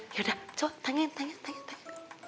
yaudah coba tanyain